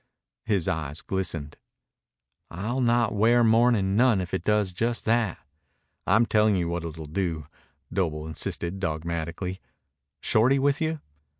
His eyes glistened. "I'll not wear mournin' none if it does just that." "I'm tellin' you what it'll do," Doble insisted dogmatically. "Shorty with you?"